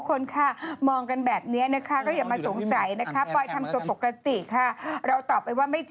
สวยมากสวยมากนะคะ